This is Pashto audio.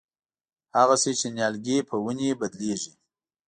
هغسې چې نیالګی په ونې بدلېږي.